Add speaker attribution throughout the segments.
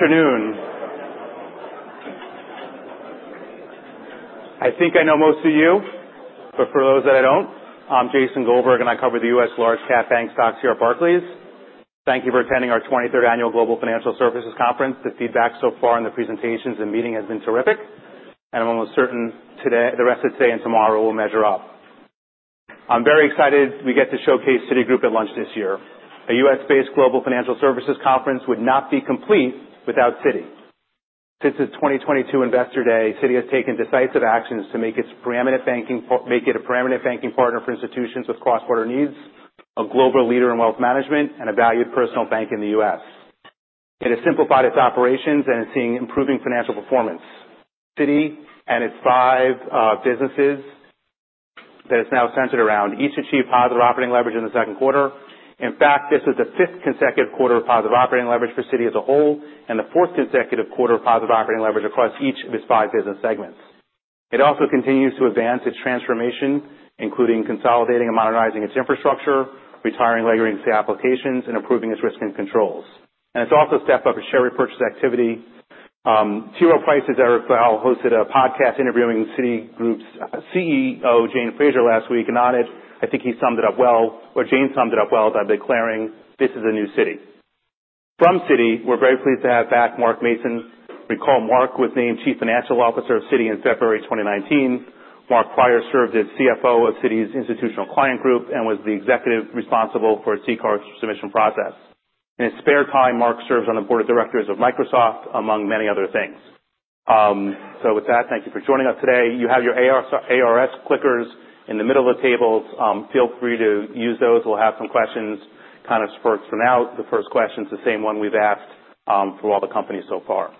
Speaker 1: Afternoon. I think I know most of you, but for those that I don't, I'm Jason Goldberg, and I cover the U.S. large-cap bank stocks here at Barclays. Thank you for attending our 23rd Annual Global Financial Services Conference. The feedback so far in the presentations and meeting has been terrific, and I'm almost certain the rest of today and tomorrow will measure up. I'm very excited we get to showcase Citigroup at lunch this year. A U.S.-based global financial services conference would not be complete without Citi. Since its 2022 Investor Day, Citi has taken decisive actions to make it a preeminent banking partner for institutions with cross-border needs, a global leader in wealth management, and a valued personal bank in the U.S. It has simplified its operations and is seeing improving financial performance. Citi and its five businesses that it's now centered around each achieved positive operating leverage in the second quarter. In fact, this was the fifth consecutive quarter of positive operating leverage for Citi as a whole and the fourth consecutive quarter of positive operating leverage across each of its five business segments. It also continues to advance its transformation, including consolidating and modernizing its infrastructure, retiring legacy applications, and improving its risk and controls. And it's also stepped up its share repurchase activity. T. Rowe Price's Eric Veiel hosted a podcast interviewing Citigroup's CEO, Jane Fraser, last week, and on it, I think he summed it up well, or Jane summed it up well as I've been declaring, "This is a new Citi." From Citi, we're very pleased to have back Mark Mason. Recall Mark was named Chief Financial Officer of Citi in February 2019. Mark previously served as CFO of Citi's Institutional Clients Group and was the executive responsible for its CCAR submission process. In his spare time, Mark serves on the board of directors of Microsoft, among many other things. So with that, thank you for joining us today. You have your ARS clickers in the middle of the tables. Feel free to use those. We'll have some questions kind of spurred from those. The first question is the same one we've asked for all the companies so far.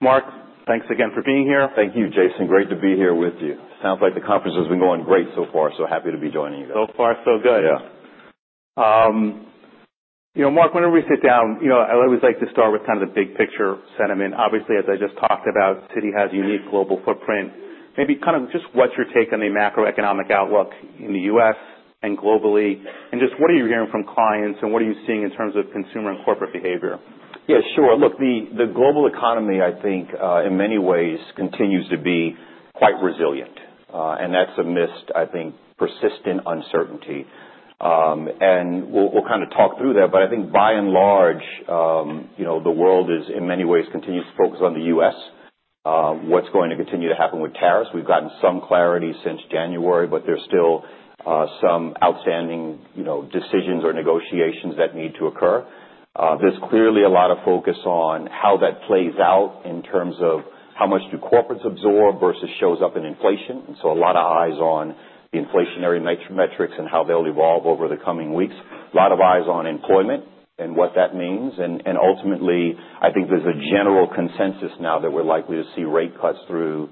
Speaker 1: Mark, thanks again for being here.
Speaker 2: Thank you, Jason. Great to be here with you. Sounds like the conference has been going great so far, so happy to be joining you guys.
Speaker 1: So far, so good.
Speaker 2: Yeah.
Speaker 1: Mark, whenever we sit down, I always like to start with kind of the big picture sentiment. Obviously, as I just talked about, Citi has a unique global footprint. Maybe kind of just what's your take on the macroeconomic outlook in the U.S. and globally, and just what are you hearing from clients and what are you seeing in terms of consumer and corporate behavior?
Speaker 2: Yeah, sure. Look, the global economy, I think, in many ways, continues to be quite resilient, and that's amidst, I think, persistent uncertainty, and we'll kind of talk through that, but I think by and large, the world in many ways continues to focus on the U.S. What's going to continue to happen with tariffs? We've gotten some clarity since January, but there's still some outstanding decisions or negotiations that need to occur. There's clearly a lot of focus on how that plays out in terms of how much do corporates absorb versus show up in inflation, and so a lot of eyes on the inflationary metrics and how they'll evolve over the coming weeks. A lot of eyes on employment and what that means. Ultimately, I think there's a general consensus now that we're likely to see rate cuts through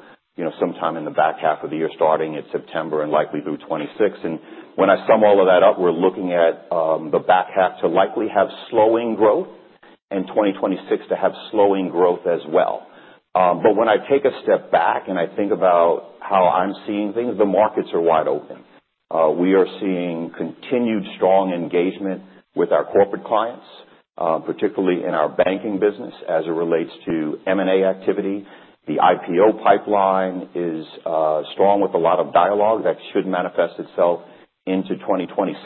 Speaker 2: sometime in the back half of the year, starting in September and likely through 2026. When I sum all of that up, we're looking at the back half to likely have slowing growth and 2026 to have slowing growth as well. When I take a step back and I think about how I'm seeing things, the markets are wide open. We are seeing continued strong engagement with our corporate clients, particularly in our banking business as it relates to M&A activity. The IPO pipeline is strong with a lot of dialogue that should manifest itself into 2026.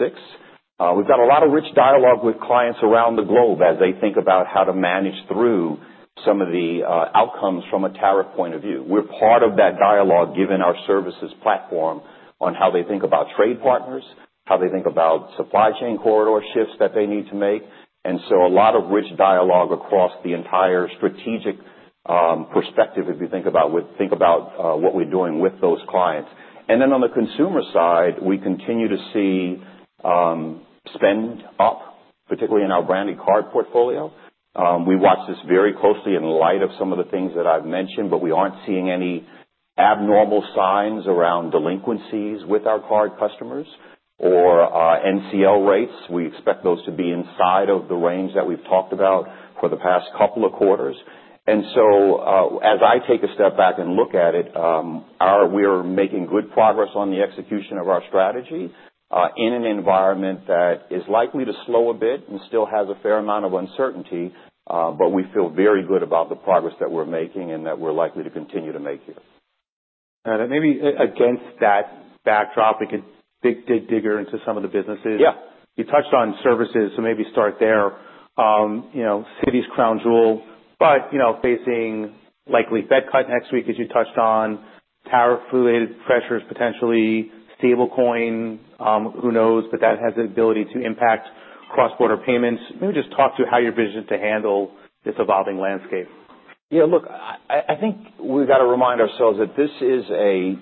Speaker 2: We've got a lot of rich dialogue with clients around the globe as they think about how to manage through some of the outcomes from a tariff point of view. We're part of that dialogue given our services platform on how they think about trade partners, how they think about supply chain corridor shifts that they need to make. And so a lot of rich dialogue across the entire strategic perspective, if you think about what we're doing with those clients. And then on the consumer side, we continue to see spend up, particularly in our branded card portfolio. We watch this very closely in light of some of the things that I've mentioned, but we aren't seeing any abnormal signs around delinquencies with our card customers or NCL rates. We expect those to be inside of the range that we've talked about for the past couple of quarters. And so as I take a step back and look at it, we're making good progress on the execution of our strategy in an environment that is likely to slow a bit and still has a fair amount of uncertainty, but we feel very good about the progress that we're making and that we're likely to continue to make here.
Speaker 1: Maybe against that backdrop, we could dig deeper into some of the businesses.
Speaker 2: Yeah.
Speaker 1: You touched on services, so maybe start there. Citi's crown jewel, but facing likely Fed cut next week, as you touched on, tariff-related pressures, potentially stablecoin, who knows, but that has the ability to impact cross-border payments. Maybe just talk to how your business is to handle this evolving landscape.
Speaker 2: Yeah, look, I think we've got to remind ourselves that this is a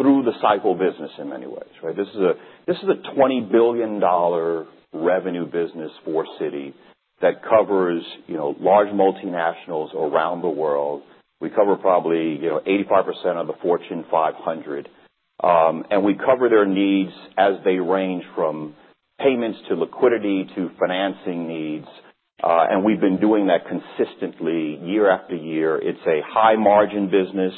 Speaker 2: through-the-cycle business in many ways, right? This is a $20 billion revenue business for Citi that covers large multinationals around the world. We cover probably 85% of the Fortune 500, and we cover their needs as they range from payments to liquidity to financing needs. And we've been doing that consistently year after year. It's a high-margin business,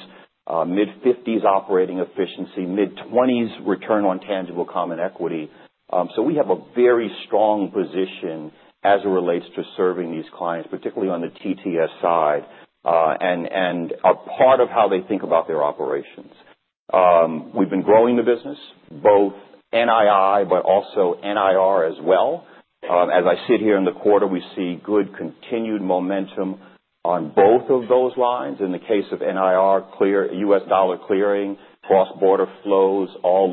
Speaker 2: mid-50s operating efficiency, mid-20s return on tangible common equity. So we have a very strong position as it relates to serving these clients, particularly on the TTS side, and are part of how they think about their operations. We've been growing the business, both NII, but also NIR as well. As I sit here in the quarter, we see good continued momentum on both of those lines. In the case of NIR, U.S. Dollar clearing, cross-border flows all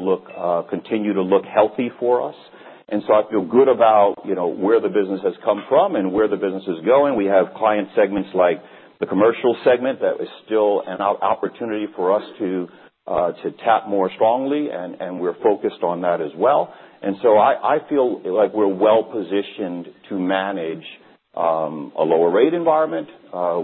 Speaker 2: continue to look healthy for us. And so I feel good about where the business has come from and where the business is going. We have client segments like the commercial segment that is still an opportunity for us to tap more strongly, and we're focused on that as well. And so I feel like we're well-positioned to manage a lower rate environment.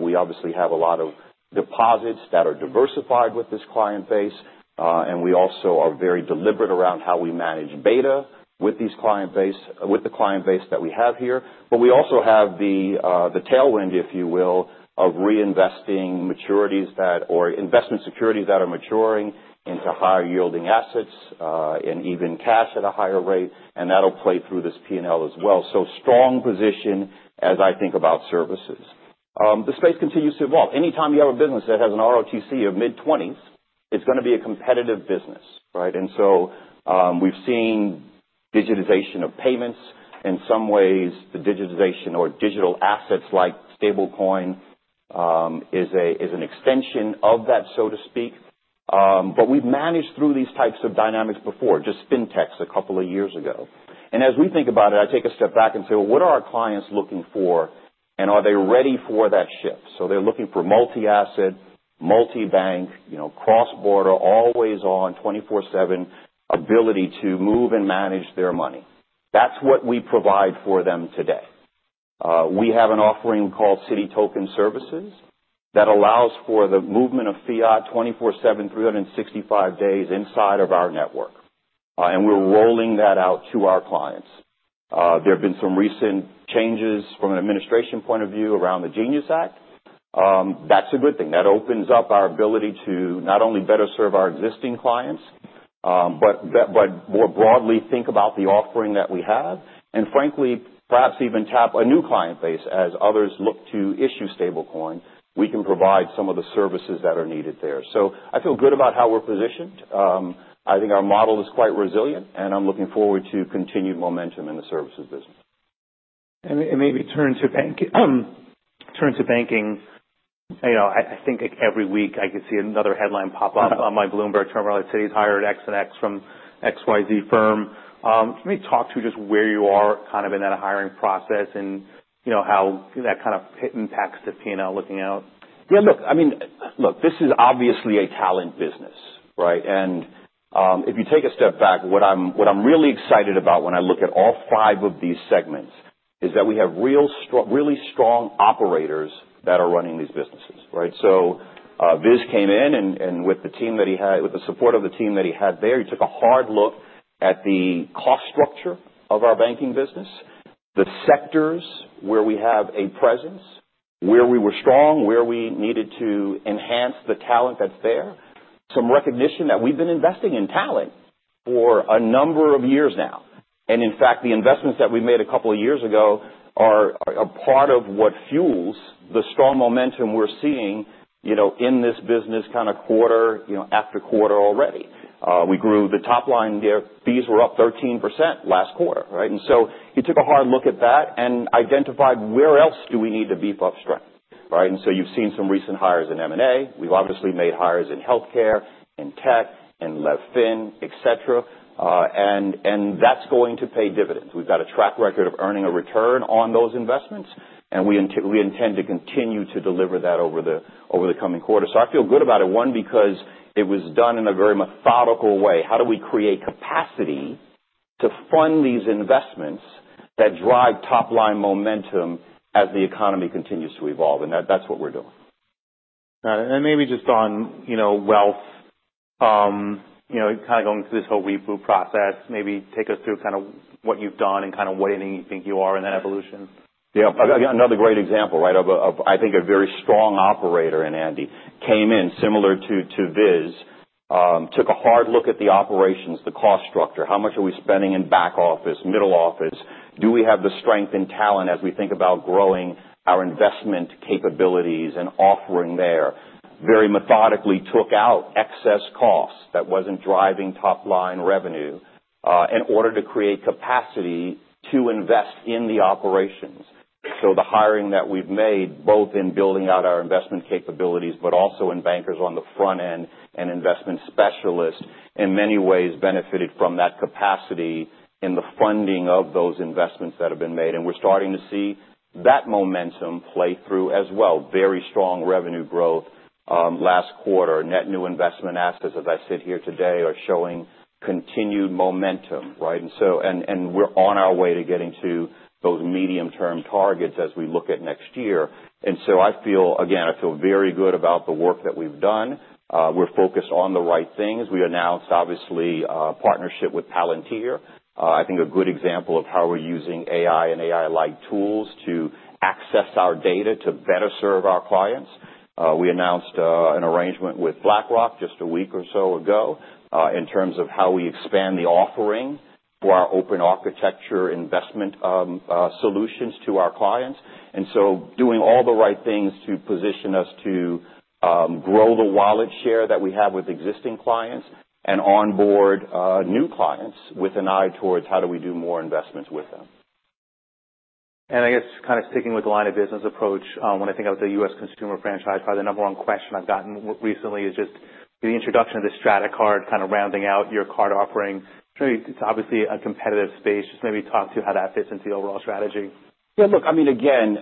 Speaker 2: We obviously have a lot of deposits that are diversified with this client base, and we also are very deliberate around how we manage beta with the client base that we have here. But we also have the tailwind, if you will, of reinvesting maturities or investment securities that are maturing into higher-yielding assets and even cash at a higher rate, and that'll play through this P&L as well. So strong position as I think about services. The space continues to evolve. Anytime you have a business that has an ROTCE of mid-20s, it's going to be a competitive business, right? We've seen digitization of payments. In some ways, the digitization or digital assets like stablecoin is an extension of that, so to speak. We've managed through these types of dynamics before, just fintechs a couple of years ago. As we think about it, I take a step back and say, "Well, what are our clients looking for, and are they ready for that shift?" They're looking for multi-asset, multi-bank, cross-border, always-on, 24/7 ability to move and manage their money. That's what we provide for them today. We have an offering called Citi Token Services that allows for the movement of fiat 24/7, 365 days inside of our network, and we're rolling that out to our clients. There have been some recent changes from an administration point of view around the SAB 121. That's a good thing. That opens up our ability to not only better serve our existing clients, but more broadly think about the offering that we have, and frankly, perhaps even tap a new client base as others look to issue stablecoin. We can provide some of the services that are needed there, so I feel good about how we're positioned. I think our model is quite resilient, and I'm looking forward to continued momentum in the services business.
Speaker 1: And maybe turn to banking. I think every week I could see another headline pop up on my Bloomberg Terminal. I said, "He's hired X and X from XYZ firm." Can we talk to just where you are kind of in that hiring process and how that kind of impacts the P&L looking out?
Speaker 2: Yeah, look, I mean, look, this is obviously a talent business, right? And if you take a step back, what I'm really excited about when I look at all five of these segments is that we have really strong operators that are running these businesses, right? So Viswas came in, and with the team that he had, with the support of the team that he had there, he took a hard look at the cost structure of our banking business, the sectors where we have a presence, where we were strong, where we needed to enhance the talent that's there, some recognition that we've been investing in talent for a number of years now. And in fact, the investments that we made a couple of years ago are a part of what fuels the strong momentum we're seeing in this business kind of quarter after quarter already. We grew the top line. Their fees were up 13% last quarter, right? And so he took a hard look at that and identified where else do we need to beef up strength, right? And so you've seen some recent hires in M&A. We've obviously made hires in healthcare, in tech, in LevFin, etc., and that's going to pay dividends. We've got a track record of earning a return on those investments, and we intend to continue to deliver that over the coming quarter. So I feel good about it, one, because it was done in a very methodical way. How do we create capacity to fund these investments that drive top-line momentum as the economy continues to evolve? And that's what we're doing.
Speaker 1: Got it. And maybe just on wealth, kind of going through this whole Wealth at Work process, maybe take us through kind of what you've done and kind of what you think you are in that evolution.
Speaker 2: Yeah. Another great example, right, of, I think, a very strong operator. Andy came in similar to Viswas, took a hard look at the operations, the cost structure, how much are we spending in back office, middle office? Do we have the strength and talent as we think about growing our investment capabilities and offering there? Very methodically took out excess costs that wasn't driving top-line revenue in order to create capacity to invest in the operations. So the hiring that we've made, both in building out our investment capabilities, but also in bankers on the front end and investment specialists, in many ways benefited from that capacity in the funding of those investments that have been made. And we're starting to see that momentum play through as well. Very strong revenue growth last quarter. Net new investment assets, as I sit here today, are showing continued momentum, right? And we're on our way to getting to those medium-term targets as we look at next year. And so I feel, again, I feel very good about the work that we've done. We're focused on the right things. We announced, obviously, a partnership with Palantir, I think a good example of how we're using AI and AI-like tools to access our data to better serve our clients. We announced an arrangement with BlackRock just a week or so ago in terms of how we expand the offering for our open architecture investment solutions to our clients. And so doing all the right things to position us to grow the wallet share that we have with existing clients and onboard new clients with an eye towards how do we do more investments with them.
Speaker 1: I guess kind of sticking with the line of business approach, when I think about the U.S. consumer franchise, probably the number one question I've gotten recently is just the introduction of the Strata Card kind of rounding out your card offering. It's obviously a competitive space. Just maybe talk to how that fits into the overall strategy?
Speaker 2: Yeah, look, I mean, again,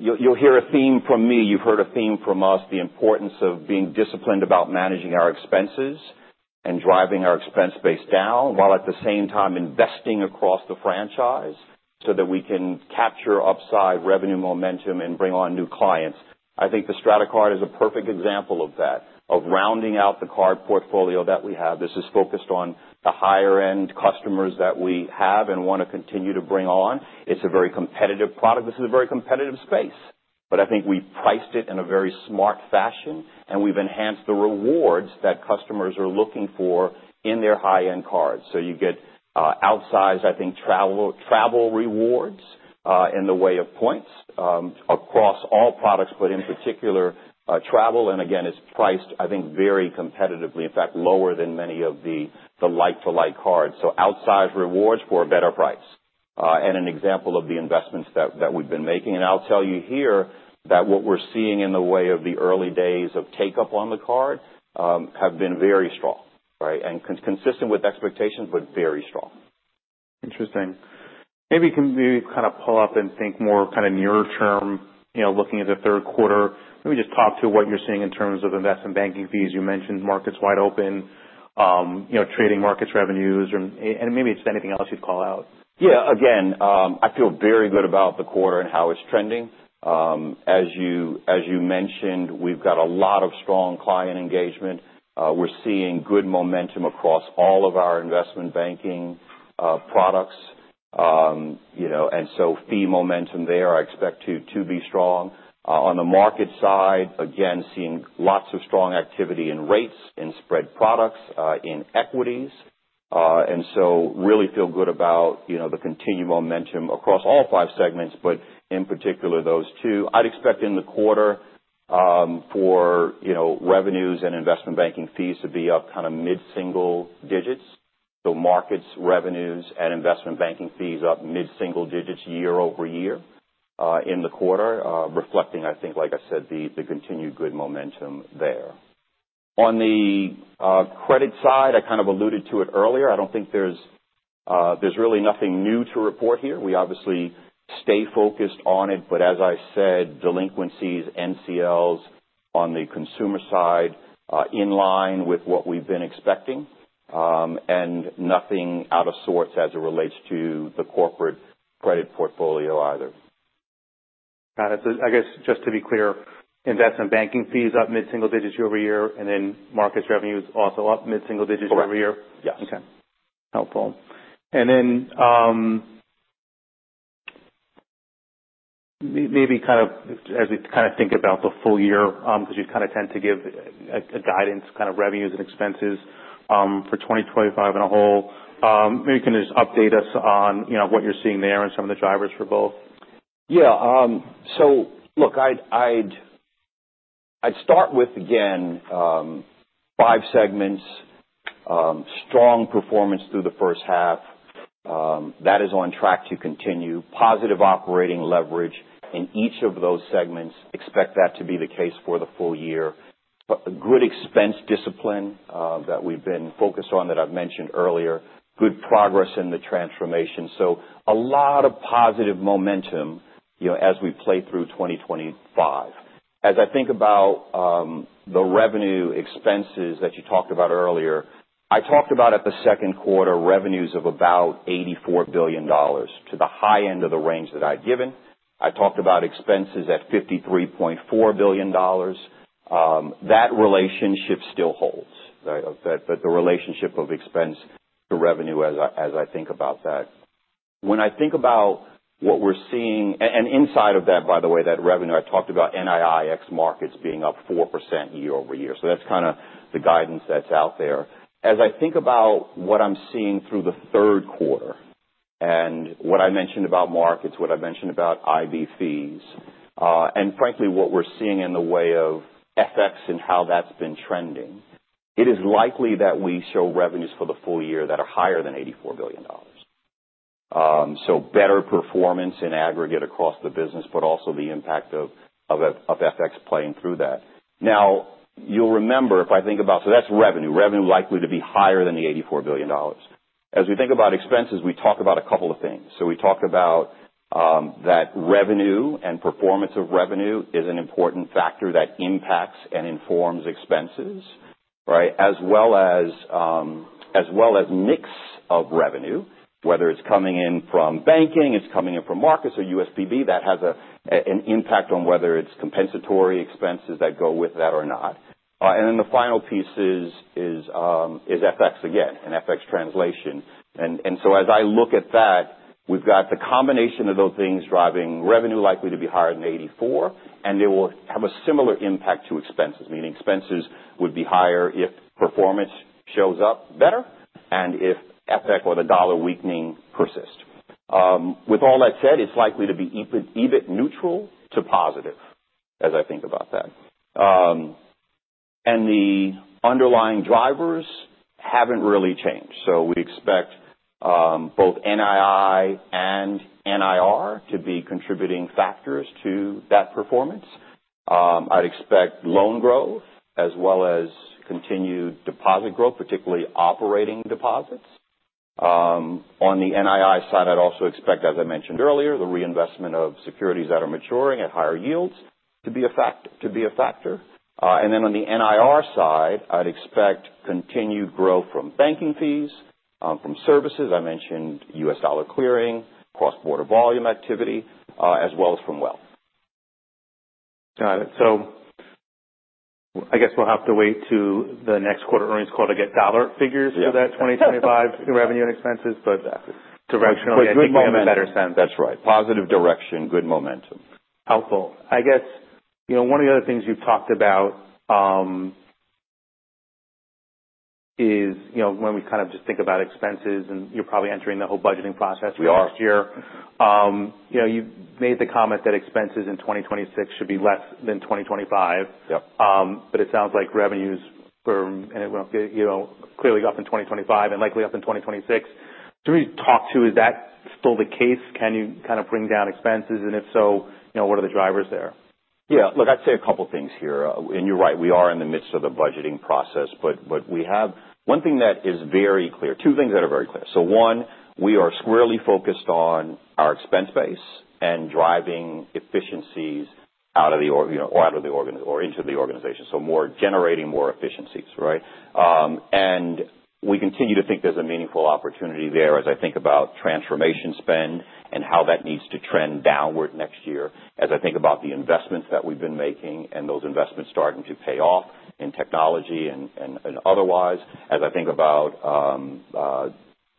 Speaker 2: you'll hear a theme from me. You've heard a theme from us, the importance of being disciplined about managing our expenses and driving our expense base down while at the same time investing across the franchise so that we can capture upside revenue momentum and bring on new clients. I think the Strata Card is a perfect example of that, of rounding out the card portfolio that we have. This is focused on the higher-end customers that we have and want to continue to bring on. It's a very competitive product. This is a very competitive space, but I think we've priced it in a very smart fashion, and we've enhanced the rewards that customers are looking for in their high-end cards. So you get outsized, I think, travel rewards in the way of points across all products, but in particular, travel. And again, it's priced, I think, very competitively, in fact, lower than many of the like-for-like cards. So outsized rewards for a better price and an example of the investments that we've been making. And I'll tell you here that what we're seeing in the way of the early days of take-up on the card have been very strong, right? And consistent with expectations, but very strong.
Speaker 1: Interesting. Maybe kind of pull up and think more kind of near-term, looking at the third quarter. Maybe just talk to what you're seeing in terms of investment banking fees. You mentioned markets wide open, trading markets revenues, and maybe just anything else you'd call out.
Speaker 2: Yeah. Again, I feel very good about the quarter and how it's trending. As you mentioned, we've got a lot of strong client engagement. We're seeing good momentum across all of our investment banking products. And so fee momentum there, I expect to be strong. On the market side, again, seeing lots of strong activity in rates, in spread products, in equities. And so really feel good about the continued momentum across all five segments, but in particular, those two. I'd expect in the quarter for revenues and investment banking fees to be up kind of mid-single digits. So markets, revenues, and investment banking fees up mid-single digits year over year in the quarter, reflecting, I think, like I said, the continued good momentum there. On the credit side, I kind of alluded to it earlier. I don't think there's really nothing new to report here. We obviously stay focused on it, but as I said, delinquencies, NCLs on the consumer side in line with what we've been expecting and nothing out of sorts as it relates to the corporate credit portfolio either.
Speaker 1: Got it. So I guess just to be clear, investment banking fees up mid-single digits year over year, and then markets revenues also up mid-single digits year over year.
Speaker 2: Correct. Yes.
Speaker 1: Okay. Helpful. And then maybe kind of as we kind of think about the full year, because you kind of tend to give guidance on revenues and expenses for 2025 as a whole, maybe you can just update us on what you're seeing there and some of the drivers for both?
Speaker 2: Yeah. So look, I'd start with, again, five segments, strong performance through the first half. That is on track to continue. Positive operating leverage in each of those segments. Expect that to be the case for the full year. Good expense discipline that we've been focused on that I've mentioned earlier. Good progress in the transformation. So a lot of positive momentum as we play through 2025. As I think about the revenue expenses that you talked about earlier, I talked about at the second quarter revenues of about $84 billion to the high end of the range that I'd given. I talked about expenses at $53.4 billion. That relationship still holds, the relationship of expense to revenue as I think about that. When I think about what we're seeing, and inside of that, by the way, that revenue, I talked about NII ex markets being up 4% year over year. So that's kind of the guidance that's out there. As I think about what I'm seeing through the third quarter and what I mentioned about markets, what I mentioned about IB fees, and frankly, what we're seeing in the way of FX and how that's been trending, it is likely that we show revenues for the full year that are higher than $84 billion. So better performance in aggregate across the business, but also the impact of FX playing through that. Now, you'll remember, if I think about, so that's revenue, revenue likely to be higher than the $84 billion. As we think about expenses, we talk about a couple of things. So we talk about that revenue and performance of revenue is an important factor that impacts and informs expenses, right, as well as mix of revenue, whether it's coming in from banking, it's coming in from markets or USPB, that has an impact on whether it's compensatory expenses that go with that or not. And then the final piece is FX again and FX translation. And so as I look at that, we've got the combination of those things driving revenue likely to be higher than $84 billion, and they will have a similar impact to expenses, meaning expenses would be higher if performance shows up better and if FX or the dollar weakening persists. With all that said, it's likely to be EBIT neutral to positive as I think about that. And the underlying drivers haven't really changed. We expect both NII and NIR to be contributing factors to that performance. I'd expect loan growth as well as continued deposit growth, particularly operating deposits. On the NII side, I'd also expect, as I mentioned earlier, the reinvestment of securities that are maturing at higher yields to be a factor. On the NIR side, I'd expect continued growth from banking fees, from services. I mentioned U.S. Dollar clearing, cross-border volume activity, as well as from wealth.
Speaker 1: Got it. So I guess we'll have to wait to the next quarter earnings call to get dollar figures for that 2025 revenue and expenses, but directional in a good moment.
Speaker 2: That's right. Positive direction, good momentum.
Speaker 1: Helpful. I guess one of the other things you've talked about is when we kind of just think about expenses, and you're probably entering the whole budgeting process for next year. You made the comment that expenses in 2026 should be less than 2025, but it sounds like revenues were clearly up in 2025 and likely up in 2026. To really talk to, is that still the case? Can you kind of bring down expenses? And if so, what are the drivers there?
Speaker 2: Yeah. Look, I'd say a couple of things here, and you're right. We are in the midst of the budgeting process, but one thing that is very clear, two things that are very clear, so one, we are squarely focused on our expense base and driving efficiencies out of the or into the organization, so more generating more efficiencies, right, and we continue to think there's a meaningful opportunity there as I think about transformation spend and how that needs to trend downward next year as I think about the investments that we've been making and those investments starting to pay off in technology and otherwise, as I think about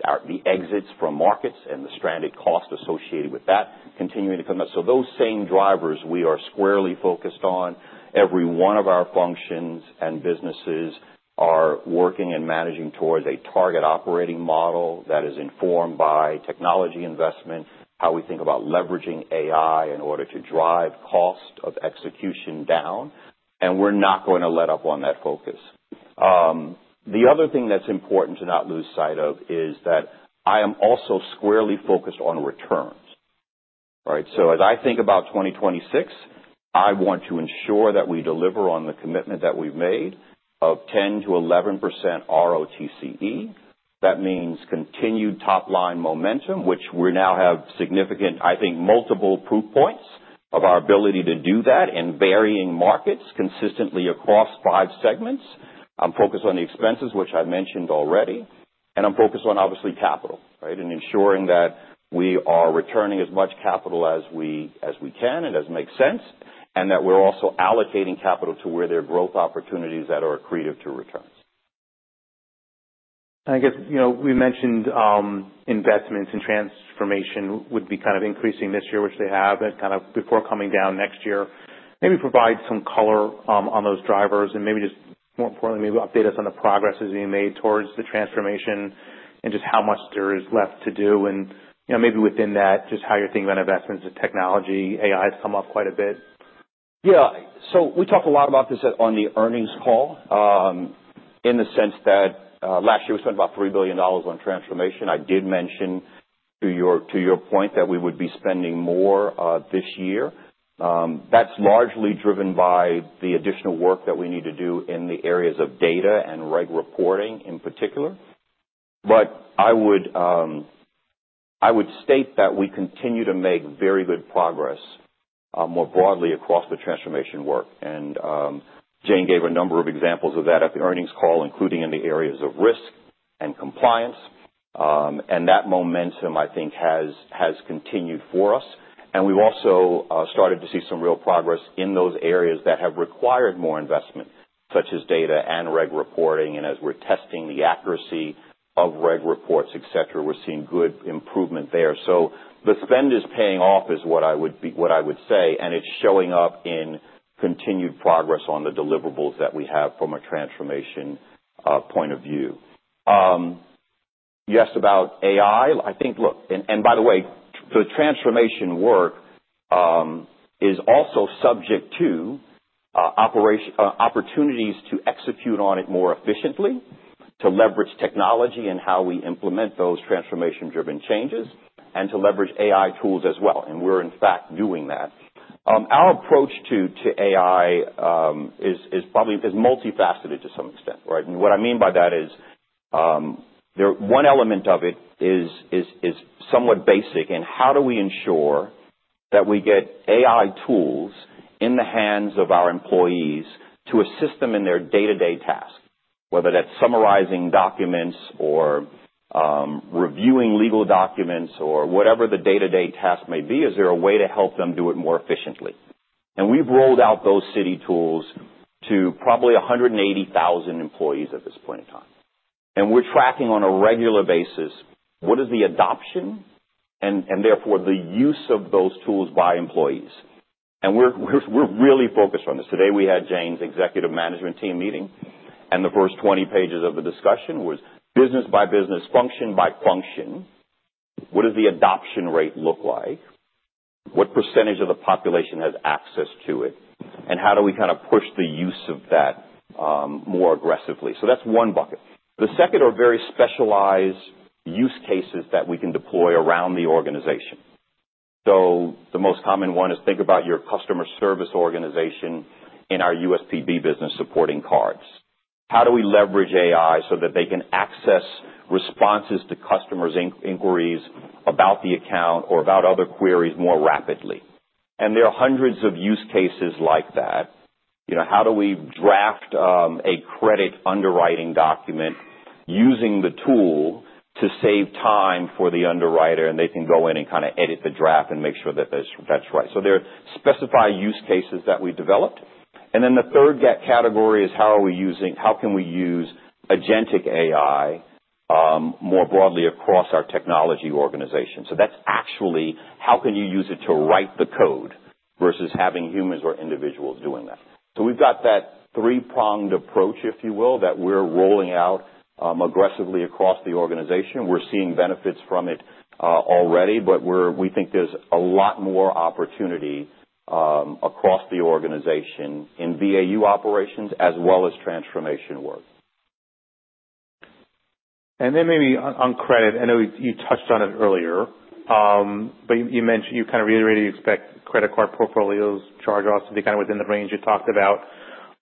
Speaker 2: the exits from markets and the stranded cost associated with that continuing to come up, so those same drivers we are squarely focused on. Every one of our functions and businesses are working and managing towards a target operating model that is informed by technology investment, how we think about leveraging AI in order to drive cost of execution down, and we're not going to let up on that focus. The other thing that's important to not lose sight of is that I am also squarely focused on returns, right, so as I think about 2026, I want to ensure that we deliver on the commitment that we've made of 10%-11% ROTCE. That means continued top-line momentum, which we now have significant, I think, multiple proof points of our ability to do that in varying markets consistently across five segments. I'm focused on the expenses, which I've mentioned already. I'm focused on, obviously, capital, right, and ensuring that we are returning as much capital as we can and as makes sense, and that we're also allocating capital to where there are growth opportunities that are accretive to returns.
Speaker 1: I guess we mentioned investments and transformation would be kind of increasing this year, which they have, and kind of before coming down next year. Maybe provide some color on those drivers, and maybe just more importantly, maybe update us on the progress as we made towards the transformation and just how much there is left to do. And maybe within that, just how you're thinking about investments in technology. AI has come up quite a bit.
Speaker 2: Yeah. So we talked a lot about this on the earnings call in the sense that last year we spent about $3 billion on transformation. I did mention, to your point, that we would be spending more this year. That's largely driven by the additional work that we need to do in the areas of data and reg reporting in particular. But I would state that we continue to make very good progress more broadly across the transformation work. And Jane gave a number of examples of that at the earnings call, including in the areas of risk and compliance. And that momentum, I think, has continued for us. And we've also started to see some real progress in those areas that have required more investment, such as data and reg reporting. And as we're testing the accuracy of reg reports, etc., we're seeing good improvement there. So the spend is paying off, is what I would say, and it's showing up in continued progress on the deliverables that we have from a transformation point of view. You asked about AI. I think, look, and by the way, the transformation work is also subject to opportunities to execute on it more efficiently, to leverage technology in how we implement those transformation-driven changes, and to leverage AI tools as well. And we're, in fact, doing that. Our approach to AI is multifaceted to some extent, right? And what I mean by that is one element of it is somewhat basic in how do we ensure that we get AI tools in the hands of our employees to assist them in their day-to-day tasks, whether that's summarizing documents or reviewing legal documents or whatever the day-to-day task may be. Is there a way to help them do it more efficiently? We've rolled out those Citi tools to probably 180,000 employees at this point in time. We're tracking on a regular basis what is the adoption and therefore the use of those tools by employees. We're really focused on this. Today, we had Jane's executive management team meeting, and the first 20 pages of the discussion was business by business, function by function. What does the adoption rate look like? What percentage of the population has access to it? How do we kind of push the use of that more aggressively? That's one bucket. The second are very specialized use cases that we can deploy around the organization. The most common one is think about your customer service organization in our USPB business supporting cards. How do we leverage AI so that they can access responses to customers' inquiries about the account or about other queries more rapidly? And there are hundreds of use cases like that. How do we draft a credit underwriting document using the tool to save time for the underwriter, and they can go in and kind of edit the draft and make sure that that's right? So there are specified use cases that we developed. And then the third category is how are we using, how can we use Agentic AI more broadly across our technology organization? So that's actually how can you use it to write the code versus having humans or individuals doing that? So we've got that three-pronged approach, if you will, that we're rolling out aggressively across the organization. We're seeing benefits from it already, but we think there's a lot more opportunity across the organization in VAU operations as well as transformation work.
Speaker 1: Then maybe on credit, I know you touched on it earlier, but you kind of reiterated you expect credit card portfolios, charge-offs, to be kind of within the range you talked about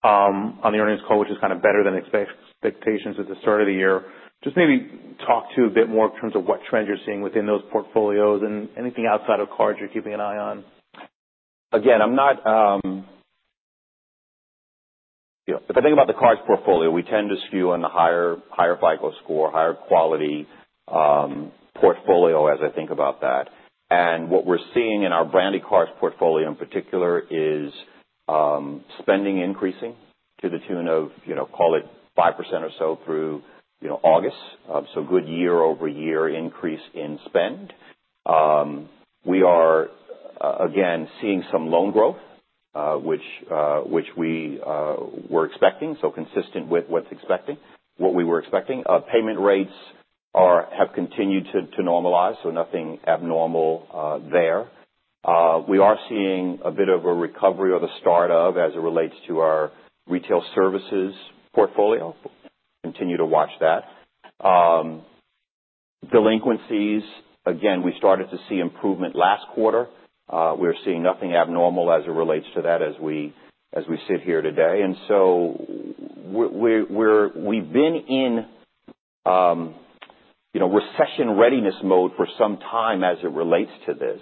Speaker 1: on the earnings call, which is kind of better than expectations at the start of the year. Just maybe talk a bit more in terms of what trend you're seeing within those portfolios and anything outside of cards you're keeping an eye on.
Speaker 2: Again, if I think about the cards portfolio, we tend to skew on the higher FICO Score, higher quality portfolio as I think about that, and what we're seeing in our branded cards portfolio in particular is spending increasing to the tune of, call it 5% or so through August, so good year-over-year increase in spend. We are, again, seeing some loan growth, which we were expecting, so consistent with what we were expecting. Payment rates have continued to normalize, so nothing abnormal there. We are seeing a bit of a recovery or the start of as it relates to our retail services portfolio. Continue to watch that. Delinquencies, again, we started to see improvement last quarter. We're seeing nothing abnormal as it relates to that as we sit here today, and so we've been in recession readiness mode for some time as it relates to this.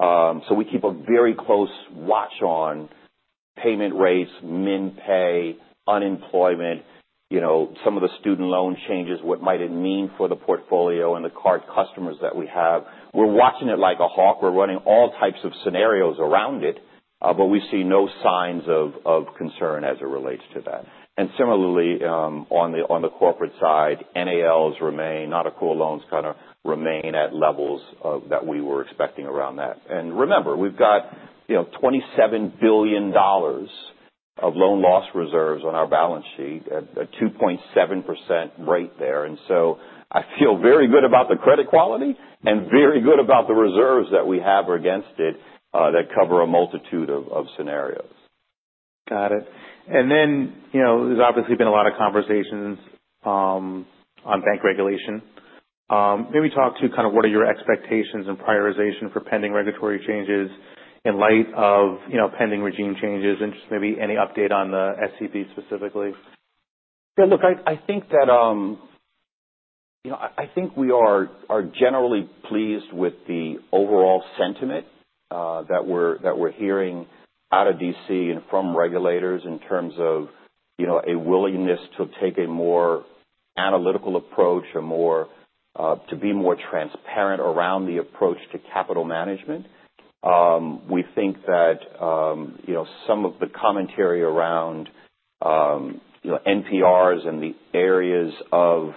Speaker 2: So we keep a very close watch on payment rates, min pay, unemployment, some of the student loan changes, what might it mean for the portfolio and the card customers that we have. We're watching it like a hawk. We're running all types of scenarios around it, but we see no signs of concern as it relates to that. And similarly, on the corporate side, NCLs remain, net charge-off loans kind of remain at levels that we were expecting around that. And remember, we've got $27 billion of loan loss reserves on our balance sheet, a 2.7% rate there. And so I feel very good about the credit quality and very good about the reserves that we have against it that cover a multitude of scenarios.
Speaker 1: Got it. And then there's obviously been a lot of conversations on bank regulation. Maybe talk to kind of what are your expectations and prioritization for pending regulatory changes in light of pending regime changes and just maybe any update on the SCB specifically?
Speaker 2: Yeah. Look, I think that I think we are generally pleased with the overall sentiment that we're hearing out of DC and from regulators in terms of a willingness to take a more analytical approach or to be more transparent around the approach to capital management. We think that some of the commentary around NPRs and the areas of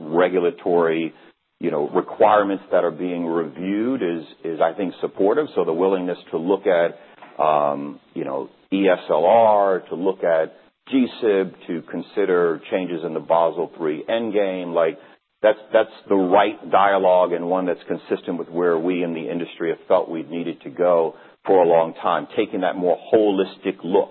Speaker 2: regulatory requirements that are being reviewed is, I think, supportive. So the willingness to look at ESLR, to look at G-SIB, to consider changes in the Basel III Endgame, like that's the right dialogue and one that's consistent with where we in the industry have felt we needed to go for a long time, taking that more holistic look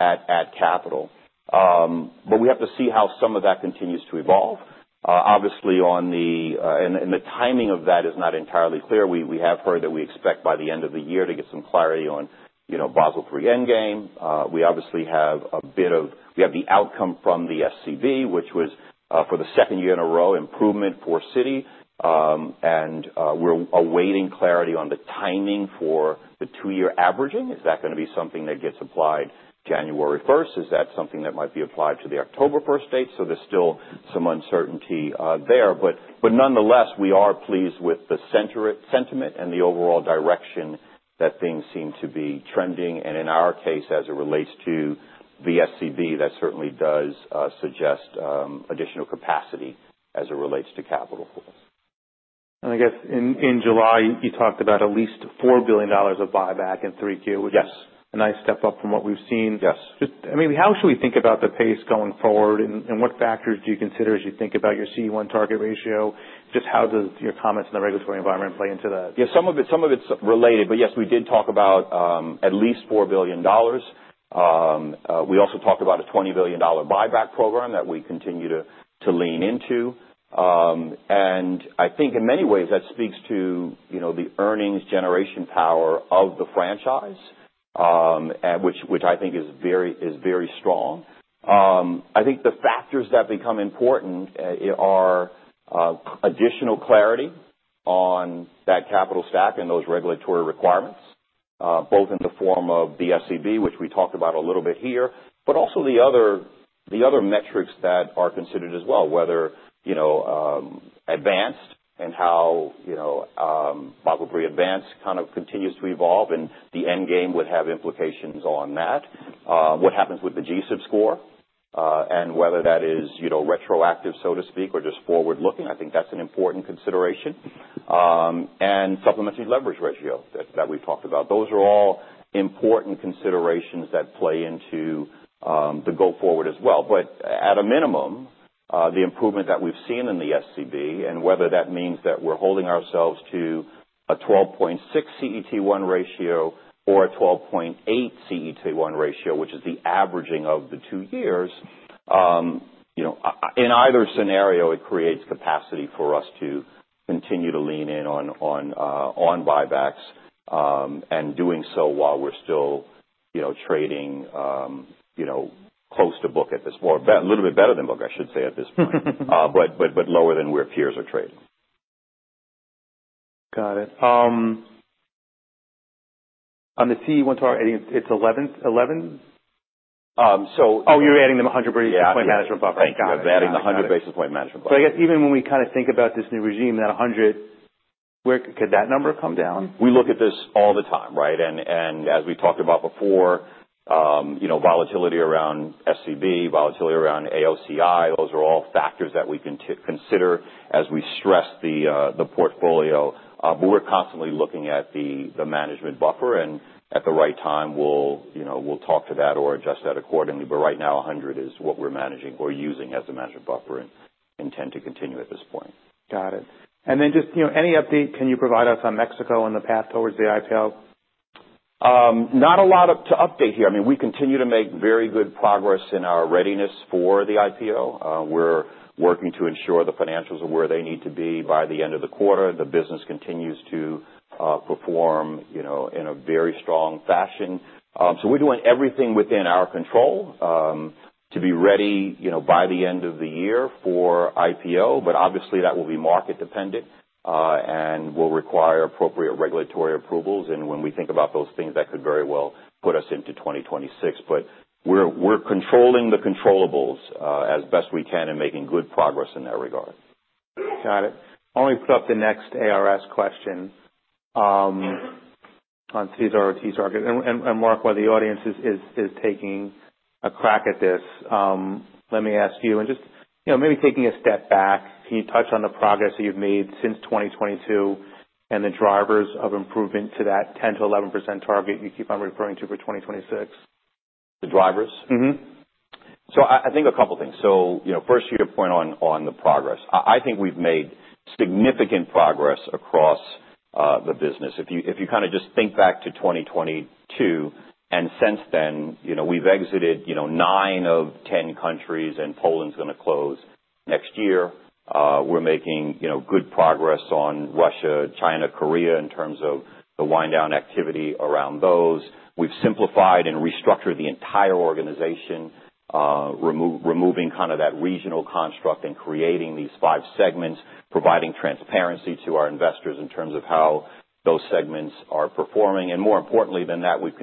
Speaker 2: at capital. But we have to see how some of that continues to evolve. Obviously, on the and the timing of that is not entirely clear. We have heard that we expect by the end of the year to get some clarity on Basel III Endgame. We obviously have the outcome from the SCB, which was for the second year in a row improvement for Citi. And we're awaiting clarity on the timing for the two-year averaging. Is that going to be something that gets applied January 1st? Is that something that might be applied to the October 1st date? So there's still some uncertainty there. But nonetheless, we are pleased with the sentiment and the overall direction that things seem to be trending. And in our case, as it relates to the SCB, that certainly does suggest additional capacity as it relates to capital pools.
Speaker 1: I guess in July, you talked about at least $4 billion of buyback in 3Q, which is a nice step up from what we've seen.
Speaker 2: Yes.
Speaker 1: I mean, how should we think about the pace going forward? And what factors do you consider as you think about your CET1 target ratio? Just how does your comments on the regulatory environment play into that?
Speaker 2: Yeah. Some of it's related, but yes, we did talk about at least $4 billion. We also talked about a $20 billion buyback program that we continue to lean into. I think in many ways, that speaks to the earnings generation power of the franchise, which I think is very strong. I think the factors that become important are additional clarity on that capital stack and those regulatory requirements, both in the form of the SCB, which we talked about a little bit here, but also the other metrics that are considered as well, whether advanced and how Basel III advanced kind of continues to evolve and the endgame would have implications on that. What happens with the G-SIB score and whether that is retroactive, so to speak, or just forward-looking. I think that's an important consideration. And supplementary leverage ratio that we've talked about. Those are all important considerations that play into the go forward as well. But at a minimum, the improvement that we've seen in the SCB and whether that means that we're holding ourselves to a 12.6 CET1 ratio or a 12.8 CET1 ratio, which is the averaging of the two years, in either scenario, it creates capacity for us to continue to lean in on buybacks and doing so while we're still trading close to book at this point, a little bit better than book, I should say, at this point, but lower than where peers are trading.
Speaker 1: Got it. On the CET1 target, it's 11?
Speaker 2: So.
Speaker 1: Oh, you're adding the 100 basis points management buffer. Got it.
Speaker 2: Right. Adding the 100 basis points management buffer.
Speaker 1: So I guess even when we kind of think about this new regime and that 100, could that number come down?
Speaker 2: We look at this all the time, right? And as we talked about before, volatility around SCB, volatility around AOCI, those are all factors that we consider as we stress the portfolio. But we're constantly looking at the management buffer. And at the right time, we'll talk to that or adjust that accordingly. But right now, 100 is what we're managing or using as the management buffer and intend to continue at this point.
Speaker 1: Got it. And then just any update can you provide us on Mexico and the path towards the IPO?
Speaker 2: Not a lot to update here. I mean, we continue to make very good progress in our readiness for the IPO. We're working to ensure the financials are where they need to be by the end of the quarter. The business continues to perform in a very strong fashion. So we're doing everything within our control to be ready by the end of the year for IPO. But obviously, that will be market dependent and will require appropriate regulatory approvals. And when we think about those things, that could very well put us into 2026. But we're controlling the controllable as best we can and making good progress in that regard.
Speaker 1: Got it. I want to put up the next ARS question on ROTCE target. Mark, while the audience is taking a crack at this, let me ask you, and just maybe taking a step back, can you touch on the progress that you've made since 2022 and the drivers of improvement to that 10%-11% target you keep on referring to for 2026?
Speaker 2: The drivers?
Speaker 1: Mm-hmm.
Speaker 2: So I think a couple of things. So first, your point on the progress. I think we've made significant progress across the business. If you kind of just think back to 2022 and since then, we've exited nine of 10 countries, and Poland's going to close next year. We're making good progress on Russia, China, Korea in terms of the wind-down activity around those. We've simplified and restructured the entire organization, removing kind of that regional construct and creating these five segments, providing transparency to our investors in terms of how those segments are performing. And more importantly than that, we've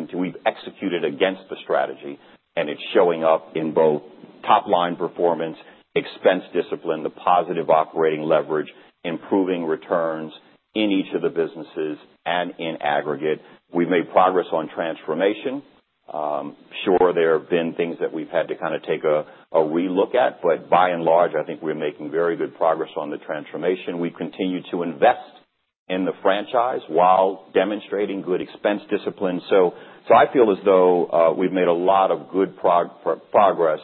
Speaker 2: executed against the strategy, and it's showing up in both top-line performance, expense discipline, the positive operating leverage, improving returns in each of the businesses and in aggregate. We've made progress on transformation. Sure, there have been things that we've had to kind of take a re-look at, but by and large, I think we're making very good progress on the transformation. We've continued to invest in the franchise while demonstrating good expense discipline. So I feel as though we've made a lot of good progress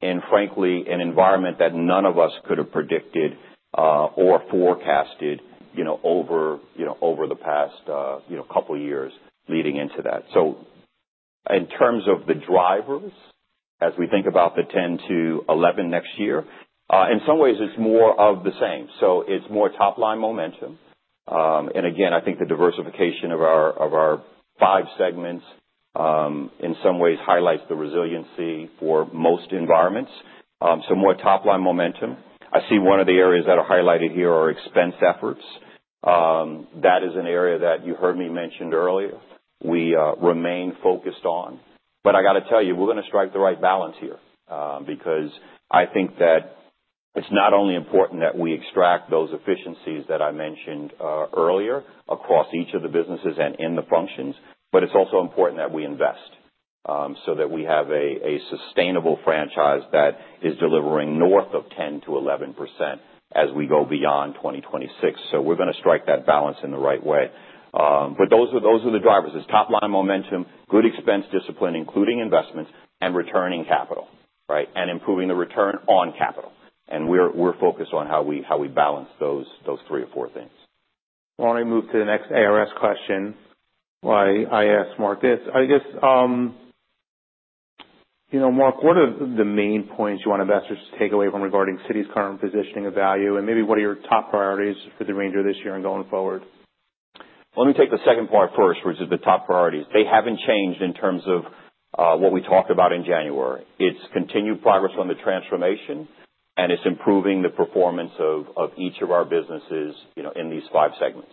Speaker 2: in, frankly, an environment that none of us could have predicted or forecasted over the past couple of years leading into that. So in terms of the drivers, as we think about the 10 to 11 next year, in some ways, it's more of the same. So it's more top-line momentum. And again, I think the diversification of our five segments in some ways highlights the resiliency for most environments. So more top-line momentum. I see one of the areas that are highlighted here are expense efforts. That is an area that you heard me mention earlier. We remain focused on, but I got to tell you, we're going to strike the right balance here because I think that it's not only important that we extract those efficiencies that I mentioned earlier across each of the businesses and in the functions, but it's also important that we invest so that we have a sustainable franchise that is delivering north of 10%-11% as we go beyond 2026, so we're going to strike that balance in the right way, but those are the drivers. It's top-line momentum, good expense discipline, including investments and returning capital, right, and improving the return on capital, and we're focused on how we balance those three or four things.
Speaker 1: I want to move to the next ARS question while I ask Mark this. I guess, Mark, what are the main points you want investors to take away from regarding Citi's current positioning of value? And maybe what are your top priorities for the remainder of this year and going forward?
Speaker 2: Let me take the second part first, which is the top priorities. They haven't changed in terms of what we talked about in January. It's continued progress on the transformation, and it's improving the performance of each of our businesses in these five segments.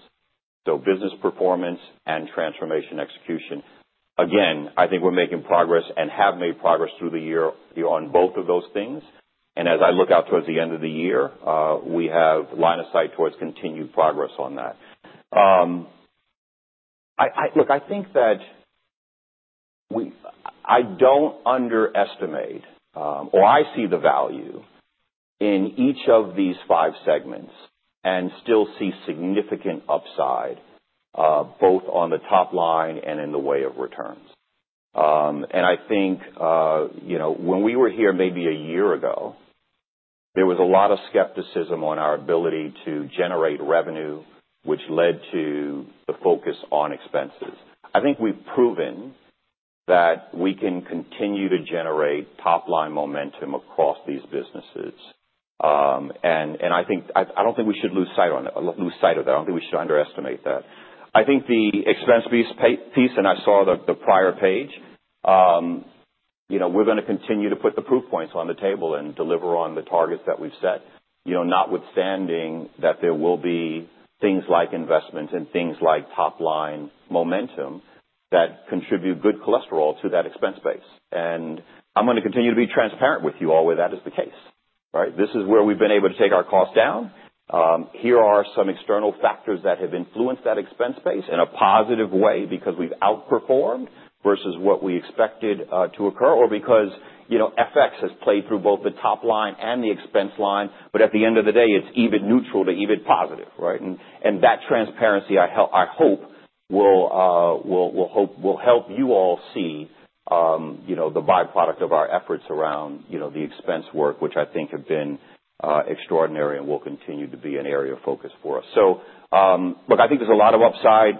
Speaker 2: So business performance and transformation execution. Again, I think we're making progress and have made progress through the year on both of those things. And as I look out towards the end of the year, we have line of sight towards continued progress on that. Look, I think that I don't underestimate or I see the value in each of these five segments and still see significant upside both on the top line and in the way of returns. And I think when we were here maybe a year ago, there was a lot of skepticism on our ability to generate revenue, which led to the focus on expenses. I think we've proven that we can continue to generate top-line momentum across these businesses. And I don't think we should lose sight of that. I don't think we should underestimate that. I think the expense piece, and I saw the prior page, we're going to continue to put the proof points on the table and deliver on the targets that we've set, notwithstanding that there will be things like investments and things like top-line momentum that contribute good cholesterol to that expense base. And I'm going to continue to be transparent with you all where that is the case, right? This is where we've been able to take our cost down. Here are some external factors that have influenced that expense base in a positive way because we've outperformed versus what we expected to occur or because FX has played through both the top line and the expense line. But at the end of the day, it's even neutral to even positive, right? And that transparency, I hope, will help you all see the byproduct of our efforts around the expense work, which I think have been extraordinary and will continue to be an area of focus for us. So look, I think there's a lot of upside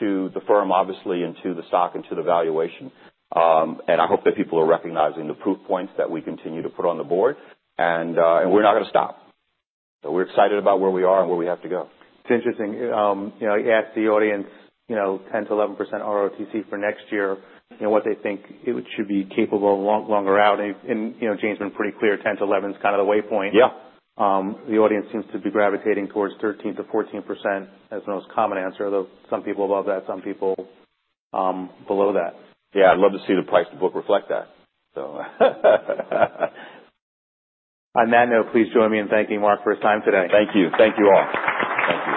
Speaker 2: to the firm, obviously, and to the stock and to the valuation. And I hope that people are recognizing the proof points that we continue to put on the board. And we're not going to stop. So we're excited about where we are and where we have to go.
Speaker 1: It's interesting. I asked the audience 10%-11% ROTCE for next year, what they think it should be capable longer out, and Jane has been pretty clear 10%-11% is kind of the waypoint. The audience seems to be gravitating towards 13%-14% as the most common answer, though some people above that, some people below that.
Speaker 2: Yeah. I'd love to see the price to book reflect that, so.
Speaker 1: On that note, please join me in thanking Mark for his time today.
Speaker 2: Thank you. Thank you all. Thank you.